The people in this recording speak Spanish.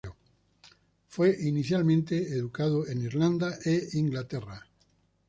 Fue inicialmente educado en Irlanda e Inglaterra.